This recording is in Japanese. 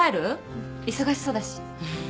うん忙しそうだし。